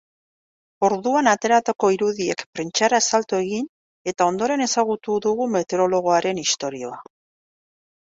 Orduan ateratako irudiek prentsara salto egin eta orduan ezagutu dugu metereologoaren istorioa.